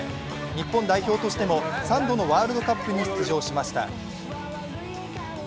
日本代表としても３度のワールドカップに出場しました。